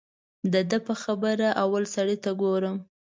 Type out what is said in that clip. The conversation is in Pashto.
د ده په خبره اول سړي ته ګورم.